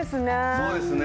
そうですね。